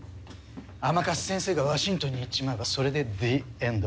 甘春先生がワシントンに行っちまえばそれでジ・エンド。